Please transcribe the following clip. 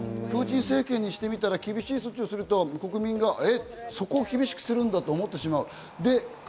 プーチン政権にしたら、厳しい措置をすると国民が、えっ、そこを厳しくするんだと思ってしまう。